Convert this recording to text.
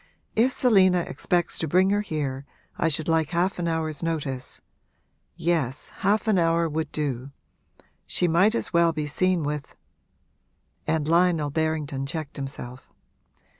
If Selina expects to bring her here I should like half an hour's notice; yes, half an hour would do. She might as well be seen with ' And Lionel Berrington checked himself.